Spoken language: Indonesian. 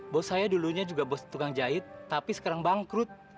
bos saya dulunya juga bos tukang jahit tapi sekarang bangkrut